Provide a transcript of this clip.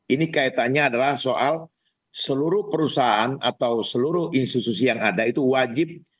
ini kaitannya adalah soal seluruh perusahaan atau seluruh institusi yang ada itu wajib